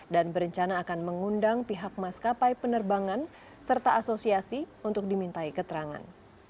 dan berencana akan mengundang pihak maskapai penerbangan serta asosiasi untuk dimintai keterangan